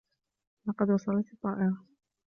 لقد وصلت الطّائرة.